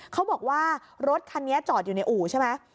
เขาบอกว่ารถคันนี้จอดอยู่ในอู่ใช่ไหม